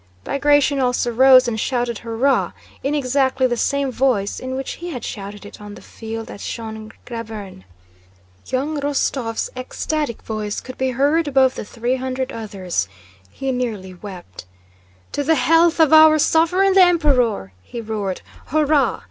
Bagratión also rose and shouted "Hurrah!" in exactly the same voice in which he had shouted it on the field at Schön Grabern. Young Rostóv's ecstatic voice could be heard above the three hundred others. He nearly wept. "To the health of our Sovereign, the Emperor!" he roared, "Hurrah!"